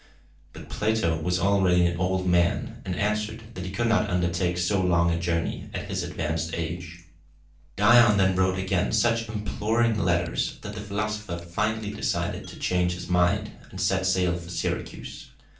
But Plato was already an old man, and answered that he could not undertake so long a journey at his advanced age. Dion then wrote again such imploring letters, that the philosopher finally decided to change his mind, and set sail for Syracuse.